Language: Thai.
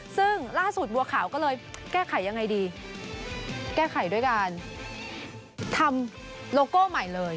ซึ่งล่าสุดบัวขาวก็เลยแก้ไขยังไงดีแก้ไขด้วยการทำโลโก้ใหม่เลย